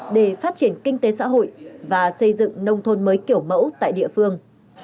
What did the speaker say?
để phát triển kinh tế xã hội và xây dựng nông thôn mới kiểu mẫu tại địa phương